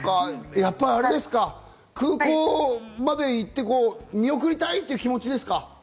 やっぱ空港まで行って見送りたいという気持ちですか？